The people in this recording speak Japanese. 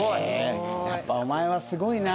やっぱお前はすごいな。